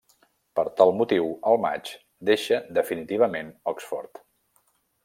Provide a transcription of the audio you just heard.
Per tal motiu, al maig, deixa definitivament Oxford.